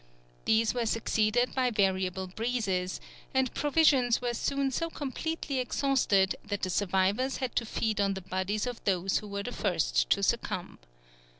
These were succeeded by variable breezes, and provisions were soon so completely exhausted that the survivors had to feed on the bodies of those who were the first to succumb.